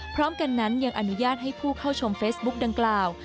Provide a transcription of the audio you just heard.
พร้อมกันนั้นยังอนุญาตให้ผู้เข้าชมเฟซบุ๊กดังกล่าว